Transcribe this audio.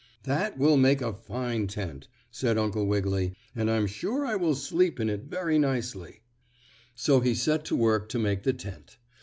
"That will make a fine tent!" said Uncle Wiggily, "and I'm sure I will sleep in it very nicely." So he set to work to make the tent.